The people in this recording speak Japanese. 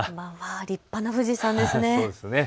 立派な富士山ですね。